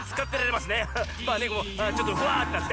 まあねちょっとふわってなって。